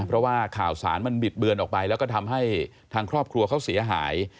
เพราะว่าข่าวสารมันบิดเบือนออกไปแล้วก็ทำให้ทางครอบครัวเขาเสียหาย